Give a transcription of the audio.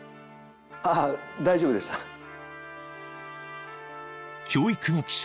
ああ大丈夫でした教育学者